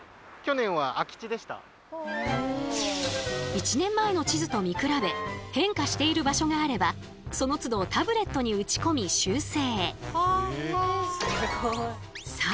１年前の地図と見比べ変化している場所があればそのつどタブレットに打ち込み修正。